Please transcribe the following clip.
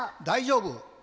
大丈夫！